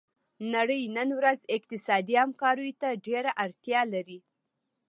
نړۍ نن ورځ اقتصادي همکاریو ته ډیره اړتیا لري